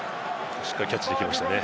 しっかりキャッチできましたね。